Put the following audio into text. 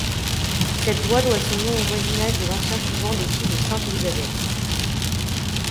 Cette voie doit son nom au voisinage de l'ancien couvent des Filles de Sainte-Élisabeth.